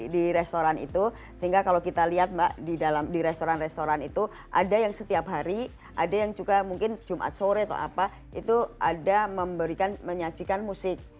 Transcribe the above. di restoran itu sehingga kalau kita lihat mbak di dalam di restoran restoran itu ada yang setiap hari ada yang juga mungkin jumat sore atau apa itu ada memberikan menyajikan musik